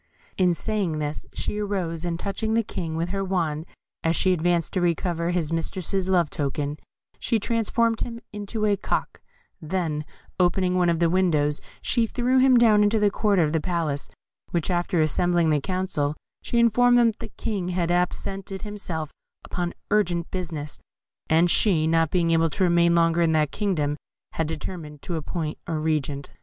In saying this, she arose, and touching the King with her wand as he advanced to recover his mistress's love token, she transformed him into a cock; then, opening one of the windows, she threw him down into the court of the palace; after which, assembling the Council, she informed them that the King had absented himself upon urgent business, and she, not being able to remain longer in that kingdom, had determined to appoint a regent.